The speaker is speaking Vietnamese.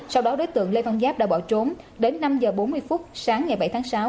sau đó đối tượng lê văn giáp đã bỏ trốn đến năm h bốn mươi phút sáng ngày bảy tháng sáu